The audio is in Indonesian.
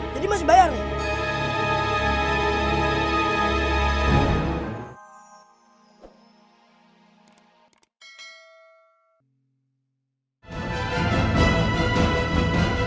jadi masih bayar nih